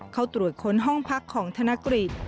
เข้าตรวจค้นห้องพักของธนกฤษ